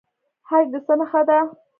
حج د څه نښه ده؟